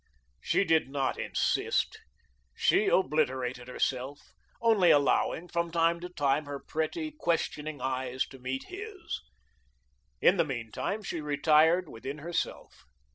She did not insist. She obliterated herself, only allowing, from time to time, her pretty, questioning eyes to meet his. In the meantime she retired within herself.